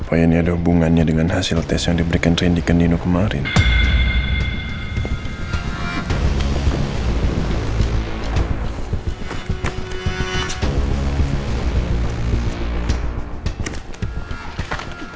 apa ini ada hubungannya dengan hasil tes yang diberikan rendy particular karena